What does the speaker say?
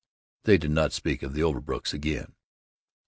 They did not speak of the Overbrooks again.